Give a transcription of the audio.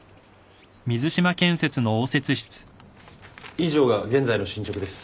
以上が現在の進捗です。